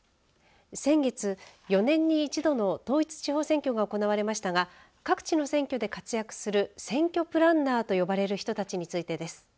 先月、４年に一度の統一地方選挙が行われましたが各地の選挙で活躍する選挙プランナーと呼ばれる人たちについてです。